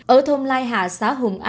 ở thôn lai hạ xã hùng an